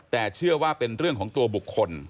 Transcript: แต่เชื่อว่าเป็นเรื่องของตัวบุคคล